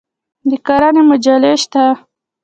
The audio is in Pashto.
د کرنې مجلې شته؟